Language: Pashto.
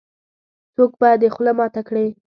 -څوک به دې خوله ماته کړې.